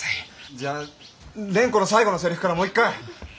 じゃあ蓮子の最後のセリフからもう一回！